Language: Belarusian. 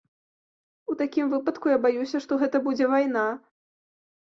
У такім выпадку, я баюся, што гэта будзе вайна.